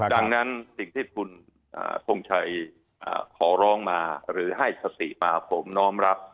ดังนั้นสิ่งที่คุณทงชัยขอร้องมาหรือให้สติมาผมน้อมรับ